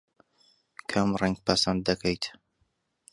کام ڕەنگ پەسەند دەکەیت؟